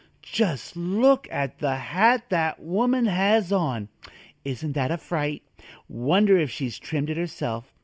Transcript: just look at the hat that woman has on! Isn't that a fright? Wonder if she trimmed it herself.